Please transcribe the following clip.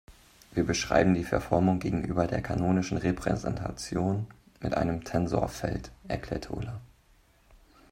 "Wir beschreiben die Verformung gegenüber der kanonischen Repräsentation mit einem Tensorfeld", erklärte Ulla.